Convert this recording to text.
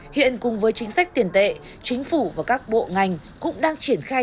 hiện cùng với chính sách tiền tệ chính phủ và các bộ ngành cũng đang triển khai